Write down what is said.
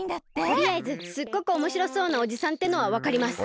とりあえずすっごくおもしろそうなおじさんってのはわかります。